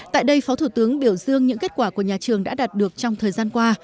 tại đây phó thủ tướng biểu dương những kết quả của nhà trường đã đạt được trong thời gian qua